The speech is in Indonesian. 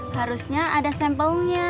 harusnya ada sampelnya